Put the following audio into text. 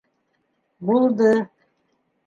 — Булды.